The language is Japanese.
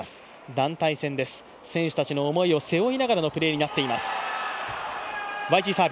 団体戦です、選手たちの思いを背負いながらのプレーとなっています。